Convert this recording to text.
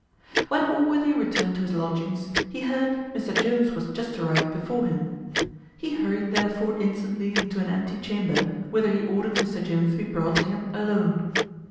When Allworthy returned to his lodgings, he heard Mr Jones was just arrived before him. He hurried therefore instantly into an empty chamber, whither he ordered Mr Jones to be brought to him alone.